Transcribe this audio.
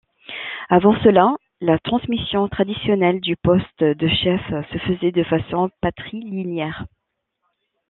Avant cela, la transmission traditionnelle du poste de chef se faisait de façon patrilinéaire.